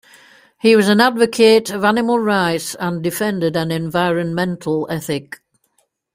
He was an advocate of animal rights and defended an environmental ethic.